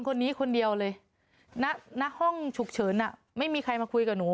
คนนี้คนเดียวเลยณห้องฉุกเฉินไม่มีใครมาคุยกับหนู